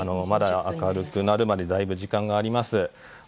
まだ明るくなるまでだいぶ時間があります。